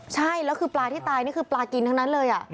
ใช่แล้วคือปลาที่ตายนี่คือปลากินทั้งนั้นเลย